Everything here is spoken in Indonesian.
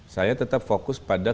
saya tetap fokus pada